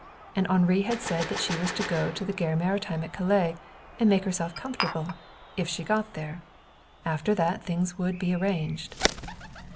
And Henri had said she was to go to the Gare Maritime at Calais and make herself comfortable if she got there. After that things would be arranged.